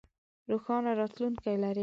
روښانه راتلوونکې لرئ